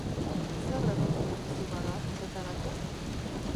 Zer erremedio duzu, bada, horretarako?